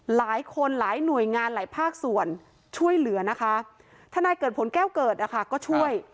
หลายคนหลายหน่วยงานหลายภาคส่วนช่วยเหลือนะคะทนายเกิดผลแก้วเกิดนะคะก็ช่วย